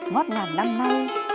ngót ngàn năm nay